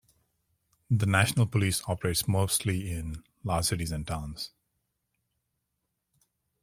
The National Police operates mostly in large cities and towns.